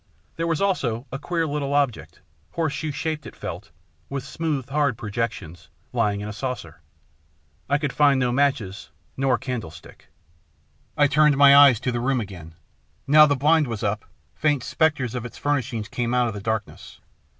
There was also a queer little object, horse shoe shaped it felt, with smooth, hard projections, lying in a saucer. I could find no matches nor candle stick. I turned my eyes to the room again. Now the blind was up, faint spectres of its furnishing came out of the darkness.